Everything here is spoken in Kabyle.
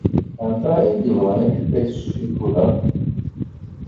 Anta ay yebɣan akeffay s ccikula?